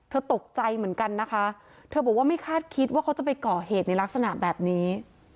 ตกใจเหมือนกันนะคะเธอบอกว่าไม่คาดคิดว่าเขาจะไปก่อเหตุในลักษณะแบบนี้